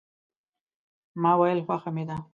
ما ویل خوښه مې ده.